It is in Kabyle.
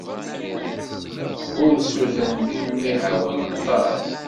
Ursuten d imihawen aṭas.